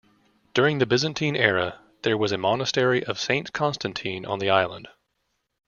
During the Byzantine era, there was a monastery of Saint Constantine on the island.